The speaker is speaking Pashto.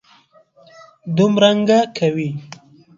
دومرنګه کوي.